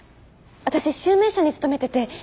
私集明社に勤めてて。